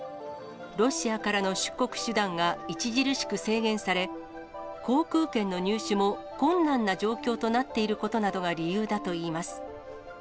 ロシアからの出国手段が著しく制限され、航空券の入手も困難な状況となっていることなどが理由だといいます。